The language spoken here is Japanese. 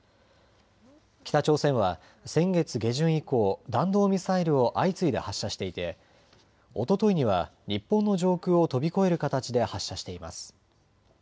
北朝鮮は先月下旬以降、弾道ミサイルを相次いで発射していておとといには日本の上空を飛び越える形で発射しています。